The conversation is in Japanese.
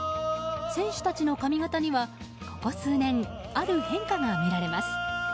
選手たちの髪型にはここ数年、ある変化が見られます。